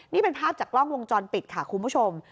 นี่เป็นภาพจากกล้องวงจรปิดค่ะคุณผู้ชม